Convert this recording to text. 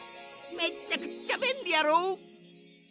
めっちゃくっちゃべんりやろ！？